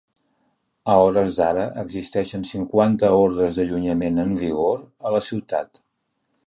A hores d’ara existeixen cinquanta ordres d’allunyament en vigor a la ciutat.